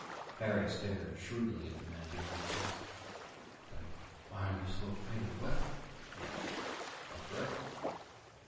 Harry stared shrewdly at the man behind the desk. "Then why are you so afraid of Webber?" he asked. "Afraid?"